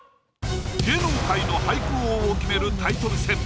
芸能界の俳句王を決めるタイトル戦。